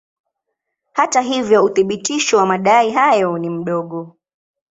Hata hivyo uthibitisho wa madai hayo ni mdogo.